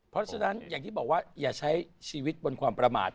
เพราะฉะนั้นอย่างที่บอกว่าอย่าใช้ชีวิตบนความประมาท